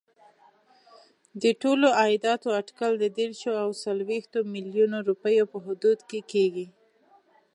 د ټولو عایداتو اټکل د دېرشو او څلوېښتو میلیونو روپیو په حدودو کې کېږي.